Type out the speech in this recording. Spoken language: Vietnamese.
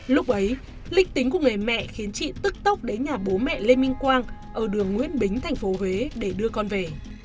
lúc ấy lịch tính của người mẹ khiến chị tức tốc đến nhà bố mẹ lê minh quang ở đường nguyễn bính thành phố huế để đưa con về